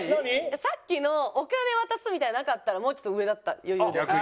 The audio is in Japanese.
さっきのお金渡すみたいのなかったらもうちょっと上だった余裕で。